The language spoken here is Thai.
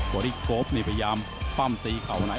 อรี่โก๊ปนี่พยายามปั้มตีเข่าใน